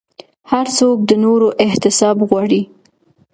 هر څوک د نورو احتساب غواړي